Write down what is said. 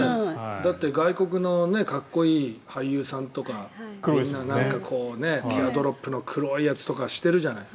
だって外国のかっこいい俳優さんとかみんな、なんかティアドロップの黒いやつとかしてるじゃない。